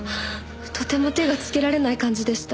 とても手がつけられない感じでした。